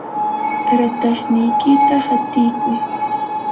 ratashniykita hatiykuy.